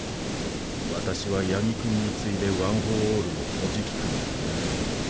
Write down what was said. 私は八木くんに次いでワン・フォー・オールの保持期間が長い。